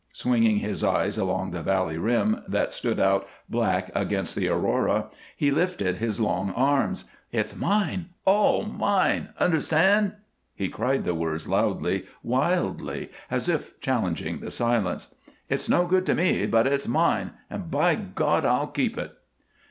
Swinging his eyes along the valley rim that stood out black against the aurora, he lifted his long arms. "It's mine, all mine! Understand?" He cried the words loudly, wildly, as if challenging the silence. "It's no good to me, but it's mine, and, by God, I'll keep it!"